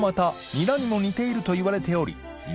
ニラにも似ているといわれており磴